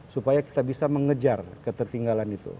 supaya kita bisa mengejar ketertinggalan itu